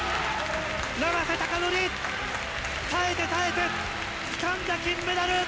永瀬貴規、耐えて耐えて、つかんだ金メダル！